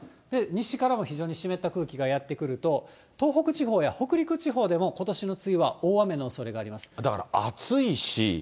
西からも非常に湿った空気がやって来ると、東北地方や北陸地方でも、ことしの梅雨は大雨のおそれがあります。